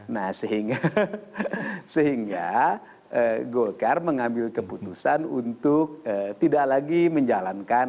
nah sehingga golkar mengambil keputusan untuk tidak lagi menjalankan